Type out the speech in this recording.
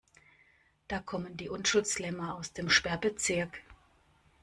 Da kommen die Unschuldslämmer aus dem Sperrbezirk.